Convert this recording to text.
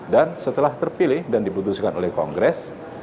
dan setelah terpilih dan diputuskan oleh kongres